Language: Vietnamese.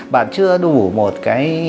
bạn chưa đủ một cái